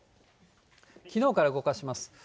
きのうから動かします。